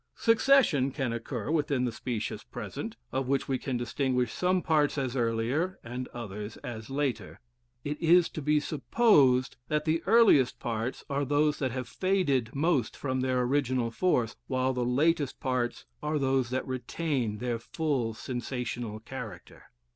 Succession can occur within the specious present, of which we can distinguish some parts as earlier and others as later. It is to be supposed that the earliest parts are those that have faded most from their original force, while the latest parts are those that retain their full sensational character.